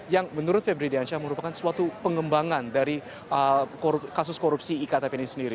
yang menurut fb diansia merupakan suatu pengembangan dari kasus korupsi iktp ini